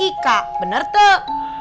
iya kak benar teh